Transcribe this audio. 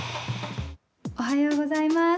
おはようございます。